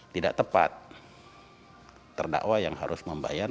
tidak tepat terdakwa yang harus membayar